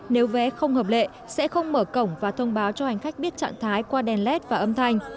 nếu vé không hợp lệ sẽ không mở cổng và thông báo cho hành khách biết trạng thái qua đèn led và âm thanh